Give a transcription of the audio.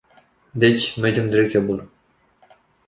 Deci, mergem în direcția cea bună.